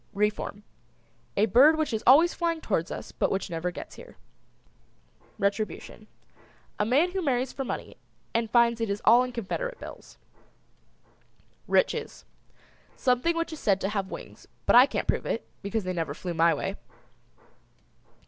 REFORM. A bird which is always flying towards us but which never gets here. RETRIBUTION. A man who marries for money and finds it is all in Confederate bills. RICHES. Something which is said to have wings, but I can't prove it, because they never flew my way.